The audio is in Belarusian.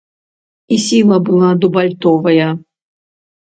І сіла была дубальтовая.